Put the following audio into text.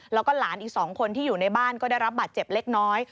แล้วก็หลานอีก๒คนที่อยู่ในบ้านก็ได้รับบาดเจ็บเล็กน้อย